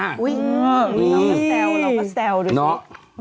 เราก็แสวเราก็แสวเลยน้อ